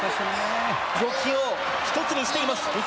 動きを１つにしています。